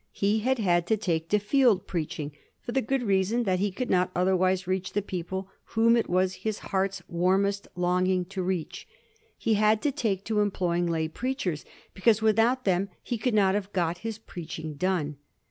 He had had to take to field preaching, for the good reason that he could not otherwise reach the people whom it was his heart's warmest longing to reach. He had to take to em ploying lay preachers, because without them he could not have got his preaching done.